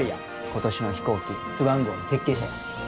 今年の飛行機スワン号の設計者や。